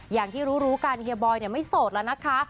อย่างที่รู้กันเฮียบอยไม่โสดแล้วนะคะ